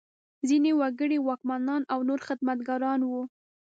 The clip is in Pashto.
ځینې وګړي واکمنان او نور خدمتګاران وو.